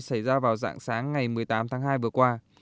xảy ra vào dạng sáng ngày một mươi tám tháng hai vừa qua